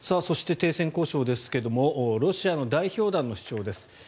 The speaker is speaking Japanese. そして、停戦交渉ですがロシアの代表団の主張です。